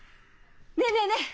ねえねえねえ